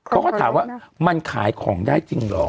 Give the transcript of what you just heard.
เขาก็ถามว่ามันขายของได้จริงเหรอ